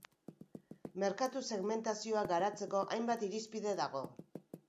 Merkatu-segmentazioa garatzeko hainbat irizpide dago.